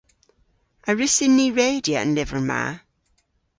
A wrussyn ni redya an lyver ma?